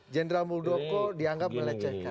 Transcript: jenderal muldoko dianggap melecehkan